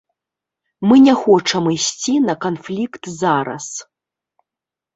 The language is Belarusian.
Мы не хочам ісці на канфлікт зараз.